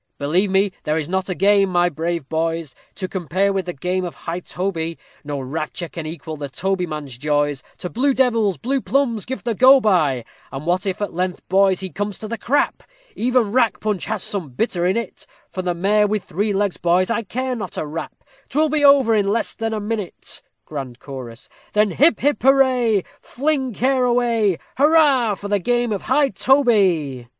_ Believe me, there is not a game, my brave boys, To compare with the game of high toby; No rapture can equal the tobyman's joys, To blue devils, blue plumbs give the go by; And what if, at length, boys, he come to the crap! Even rack punch has some bitter in it, For the mare with three legs, boys, I care not a rap, 'Twill be over in less than a minute. GRAND CHORUS _Then hip, hurrah! Fling care away! Hurrah for the game of high toby!